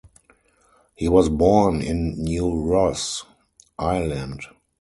He was born in New Ross, Ireland.